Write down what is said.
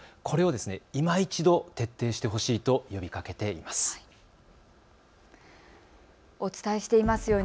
これをいま一度、徹底してほしいと呼びかけています。